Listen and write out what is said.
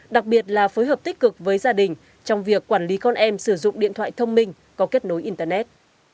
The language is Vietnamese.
đặc biệt là phối hợp tích cực với gia đình trong việc quản lý con em sử dụng điện thoại thông minh có kết nối internet